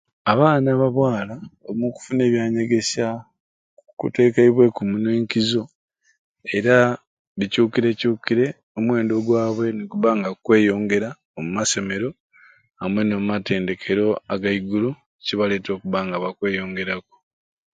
Abaana ba bwala omu kufuna ebyanyegesya kutekeibweku muno enkizo era bicukirecukire omwendo gwabwe nigubanga gukweyongera omu masomero amwei nomu matendekero ag'aiguru nicibaletera okubanga bakweyongeraku.